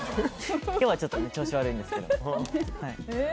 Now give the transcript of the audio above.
今日はちょっと調子悪いんですけど。